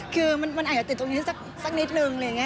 คือมันอาจจะติดตรงนี้สักนิดหนึ่ง